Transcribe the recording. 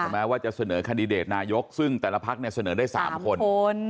แม้ว่าจะเสนอคันดิเดตนายกซึ่งแต่ละพักเนี่ยเสนอได้๓คน